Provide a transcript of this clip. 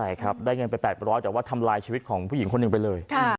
ใช่ครับได้เงินไป๘๐๐แต่ว่าทำลายชีวิตของผู้หญิงคนหนึ่งไปเลย